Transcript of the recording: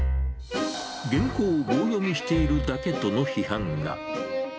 原稿を棒読みしているだけとの批判が。